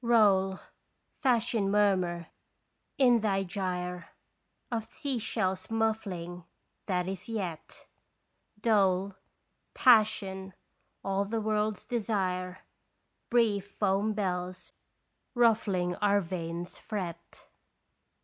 Roll, fashion murmur, in thy gyre, Of seashells' muffling, that is yet Dole, passion, all the world's desire, Brief foam bells ruffling our veins' fret 146 31 <S>rtui0us tositation.